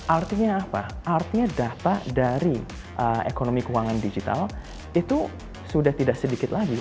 artinya apa artinya data dari ekonomi keuangan digital itu sudah tidak sedikit lagi